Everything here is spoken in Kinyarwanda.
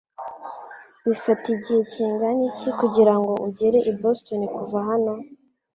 Bifata igihe kingana iki kugirango ugere i Boston kuva hano?